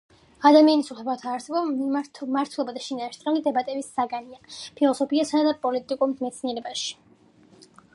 ადამიანის უფლებათა არსებობა, მართებულობა და შინაარსი დღემდე დებატების საგანია ფილოსოფიასა და პოლიტიკურ მეცნიერებაში.